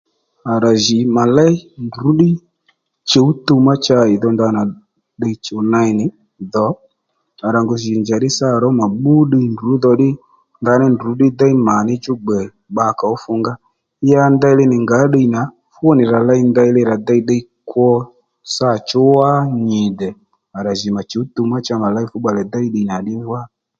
À rà jì mà léy ndrǔ ddí chǔ tuw má cha ì dho ndanà ddiy chùw ney nì dho à rà ngu shì njàddí sâ ró mà bbú ddiy ndrǔ dhò ddí ndaní ndrǔ ddí déy mà níchú gbè bba kàó fungá ya ndeyli nì ngǎ ddiy nà fú nì rà ley ndeylí rà dey ddiy kwo sâ chú wá nyì dè à rà jì mà chǔ tuw mà cha mà léy fú bbalè déy ddiy nà ddí wá